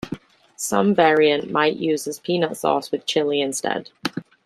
Some variant might uses peanut sauce with chili instead.